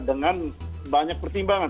dengan banyak pertimbangan